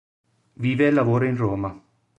Vive e lavora in Roma.